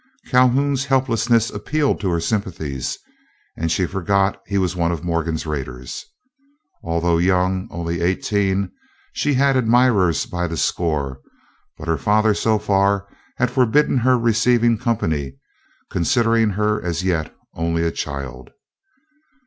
Calhoun's helplessness appealed to her sympathies, and she forgot he was one of Morgan's raiders. Although young, only eighteen, she had admirers by the score, but her father so far had forbidden her receiving company, considering her as yet only a child.